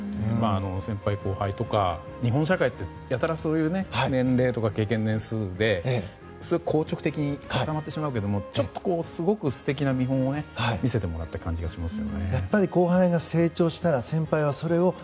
先輩・後輩とか日本社会ってやたらそういう年齢とか経験年数とかで硬直的に、固まってしまうけどちょっとすごく素敵な見本を見せてもらった感じがします。